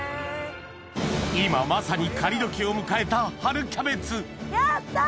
今まさに刈り時を迎えた春キャベツやった！